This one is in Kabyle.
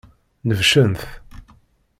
Nebcen-t.